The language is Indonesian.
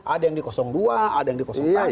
ada yang di dua ada yang di tiga